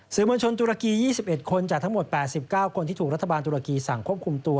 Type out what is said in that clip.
มวลชนตุรกี๒๑คนจากทั้งหมด๘๙คนที่ถูกรัฐบาลตุรกีสั่งควบคุมตัว